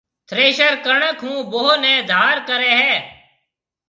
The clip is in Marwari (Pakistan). ٿريشر ڪڻڪ هون ڀوه نَي ڌار ڪريَ هيَ۔